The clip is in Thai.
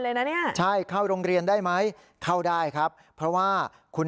เลยนะเนี่ยใช่เข้าโรงเรียนได้ไหมเข้าได้ครับเพราะว่าคุณ